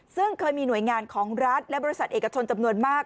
ซึ่งเคยมีหน่วยงานของรัฐและบริษัทเอกชนจำนวนมาก